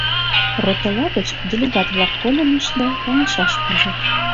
Ротыла гыч делегат-влак погынышт да каҥашаш пижыч.